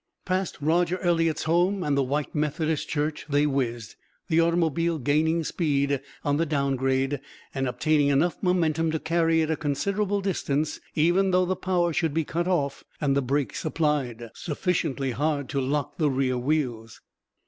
Past Roger Eliot's home and the white Methodist church they whizzed, the automobile gathering speed on the down grade and obtaining enough momentum to carry it a considerable distance even though the power should be cut off and the brakes applied sufficiently hard to lock the rear wheels.